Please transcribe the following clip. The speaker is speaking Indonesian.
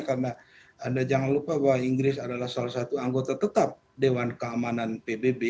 karena anda jangan lupa bahwa inggris adalah salah satu anggota tetap dewan keamanan pbb